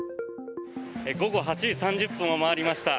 午後８時３０分を回りました、